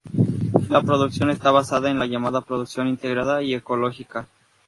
La producción está basada en la llamada Producción Integrada y Ecológica.